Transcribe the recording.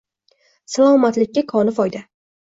Salomatlikka koni foyda